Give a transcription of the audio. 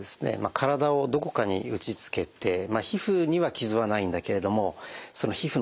体をどこかに打ちつけて皮膚には傷はないんだけれどもその皮膚の下でですね